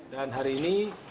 dan hari ini